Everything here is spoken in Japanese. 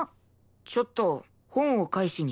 ちょっと本を返しに。